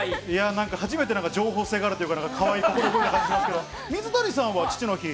なんか初めて、情報性があるというか、かわいいという感じがしますけれども、水谷さんは父の日。